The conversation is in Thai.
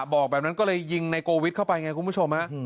บอกแบบนั้นก็เลยยิงในโกวิทเข้าไปไงคุณผู้ชมฮะ